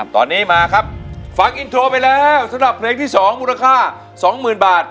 ตอนนี้มาครับฟังอินโทรไปแล้วสำหรับเพลงที่๒มูลค่า๒๐๐๐บาท